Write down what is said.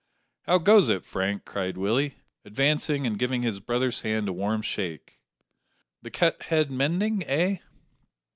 "How goes it, Frank?" cried Willie, advancing and giving his brother's hand a warm shake; "the cut head mending eh?"